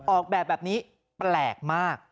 ออกแบบแบบนี้แปลกมาก